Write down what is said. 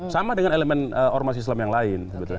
sama dengan elemen ormas islam yang lain